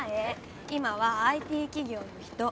今はＩＴ企業の人。